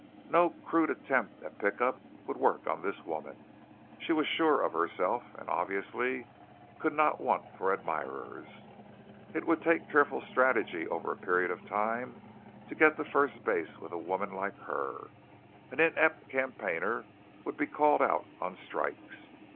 No crude attempt at pick up would work on this woman. She was sure of herself and obviously could not want for admirers. It would take careful strategy over a period of time to get to first base with a woman like her; an inept campaigner would be called out on strikes.